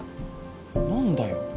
何だよ？